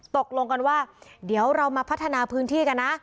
ตกลงกันว่าเดี๋ยวเรามาพัฒนาพื้นที่กันนะ